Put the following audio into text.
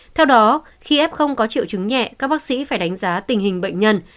theo đó khi f có triệu chứng nhẹ các bác sĩ phải đánh giá tình hình bệnh nhân